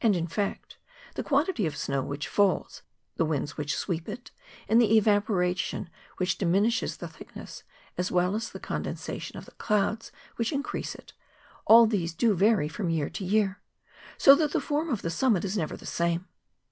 And, in fact, the quantity I of snow which falls, the winds wliich sweep it, and I the evaporation which diminishes the thickaess, as I well as the condensation of the clouds which in j crease it — all these do vary from year to year; so f that the form of the summit is never the same.